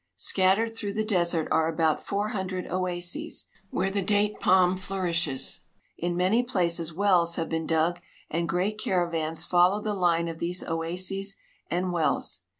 Scattered through the desert are about four hundred oa.ses, where the date palm flour ishes. In many places wells have been dug, and great caravans follow the line of these oases and wells.